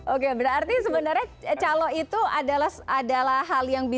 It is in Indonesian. oke berarti sebenarnya calo itu adalah hal yang biasa